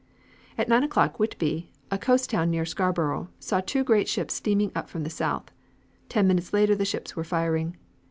At nine o'clock Whitby, a coast town near Scarborough, saw two great ships steaming up from the south. Ten minutes later the ships were firing.